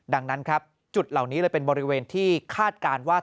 ดังนั้นครับจุดเหล่านี้เลยเป็นบริเวณที่คาดการณ์ว่า